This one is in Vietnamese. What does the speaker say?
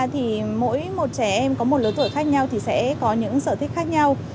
thì mỗi một trẻ em có một lứa tuổi khác nhau thì sẽ có những sở thích khác nhau